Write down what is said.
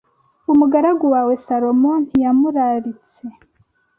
umugaragu wawe Salomo ntiyamuraritse